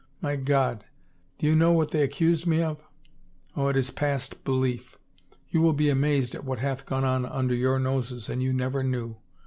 My God, do you know what they accused me of? Oh, it is past belief I You will be amazed at what hath gone on under your noses and you never knew!